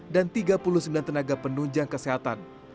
dan tiga puluh sembilan tenaga penunjang kesehatan